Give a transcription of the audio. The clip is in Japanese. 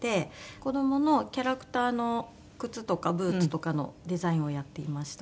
子どものキャラクターの靴とかブーツとかのデザインをやっていました。